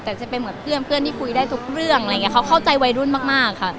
แต่จะเป็นเหมือนเพื่อนเพื่อนที่คุยได้ทุกเรื่องอะไรอย่างนี้เขาเข้าใจวัยรุ่นมากมากค่ะ